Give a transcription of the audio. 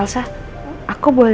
elsa aku boleh nitip reina gak sebentar